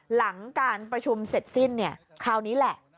หลังการประชุมเสร็จสิ้นเนี่ยคราวนี้แหละ